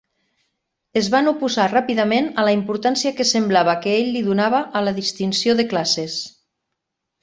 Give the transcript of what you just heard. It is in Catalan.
Es van oposar ràpidament a la importància que semblava que ell li donava a la distinció de classes.